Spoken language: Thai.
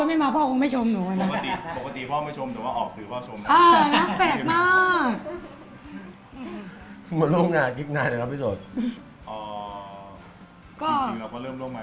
หน้าตาไม่น่าจะเป็นหมอรำคุณผู้นะ